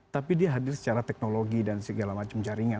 tapi dia hadir secara teknologi dan segala macam jaringan